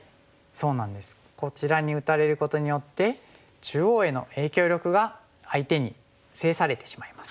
こちらに打たれることによって中央への影響力が相手に制されてしまいます。